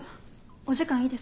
お時間いいですか？